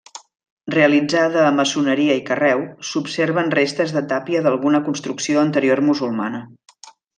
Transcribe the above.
Realitzada a maçoneria i carreu, s'observen restes de tàpia d'alguna construcció anterior musulmana.